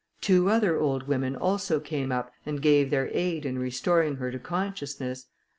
Two other old women also come up and gave their aid in restoring her to consciousness.